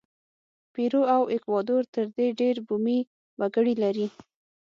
پیرو او ایکوادور تر دې ډېر بومي وګړي لري.